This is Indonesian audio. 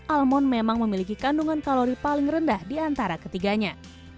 almond memang memiliki kandungan kalori paling rendah di antara ketiganya